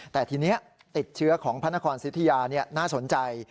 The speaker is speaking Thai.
แต่ทีนี้ติดเชื้อของพระนครสิทธิยาน่าสนใจ